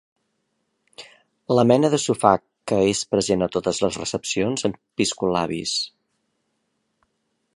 La mena de sofà que és present a totes les recepcions amb piscolabis.